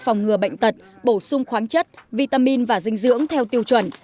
phòng ngừa bệnh tật bổ sung khoáng chất vitamin và dinh dưỡng theo tiêu chuẩn